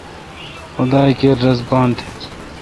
خدا کیر رس بان تھ ۔